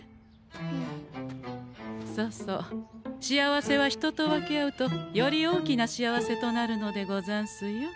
そうそう幸せは人と分け合うとより大きな幸せとなるのでござんすよ。